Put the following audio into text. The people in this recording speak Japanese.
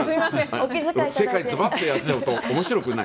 正解をずばッとやっちゃうと面白くない。